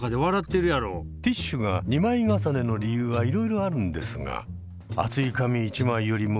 ティッシュが２枚重ねの理由はいろいろあるんですが厚い紙１枚よりも薄い紙。